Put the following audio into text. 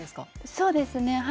そうですね。